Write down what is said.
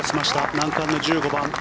難関の１５番。